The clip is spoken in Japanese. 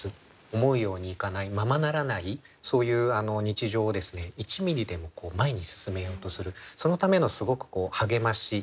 思うようにいかないままならないそういう日常を１ミリでも前に進めようとするそのためのすごく励まし。